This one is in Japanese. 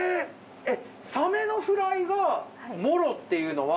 サメのフライがモロっていうのは。